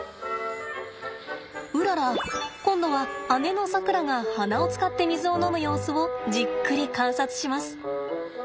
うらら今度は姉のさくらが鼻を使って水を飲む様子をじっくり観察します。